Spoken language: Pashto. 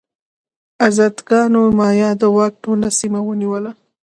ازتکانو د مایا د واک ټوله سیمه ونیوله.